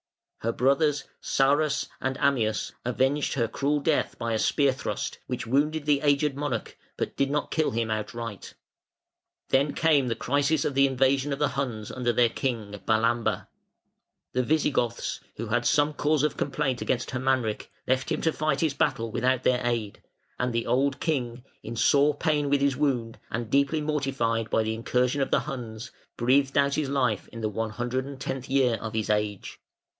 Her brothers, Sarus and Ammius, avenged her cruel death by a spear thrust, which wounded the aged monarch, but did not kill him outright. Then came the crisis of the invasion of the Huns under their King Balamber. The Visigoths, who had some cause of complaint against Hermanric, left him to fight his battle without their aid; and the old king, in sore pain with his wound and deeply mortified by the incursion of the Huns, breathed out his life in the one hundred and tenth year of his age.